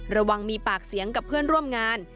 ระวังมีปากเสียงกับเพื่อนร่วมงาน